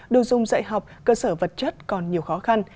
đồ dùng dạy học cơ sở vật chất còn nhiều khó khăn